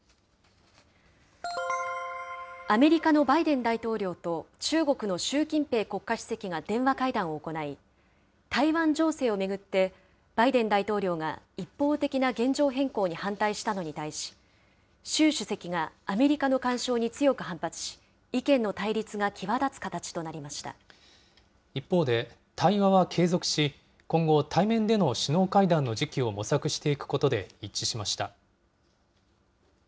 アメリカのバイデン大統領と中国の習近平国家主席が電話会談を行い、台湾情勢を巡って、バイデン大統領が一方的な現状変更に反対したのに対し、習主席がアメリカの干渉に強く反発し、意見の一方で、対話は継続し、今後、対面での首脳会談の時期を模索していくことで一致しました。